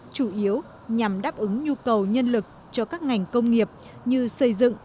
chủ yếu nhằm đáp ứng nhu cầu nhân lực cho các ngành công nghiệp như xây dựng